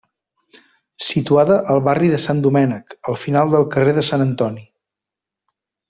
Situada al barri de Sant Domènec, al final del carrer de Sant Antoni.